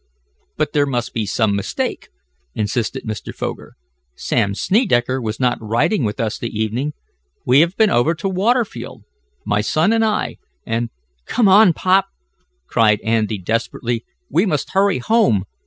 "But there must be some mistake," insisted Mr. Foger. "Sam Snedecker was not riding with us this evening. We have been over to Waterfield my son and I, and " "Come on, pop!" cried Andy desperately. "We must hurry home.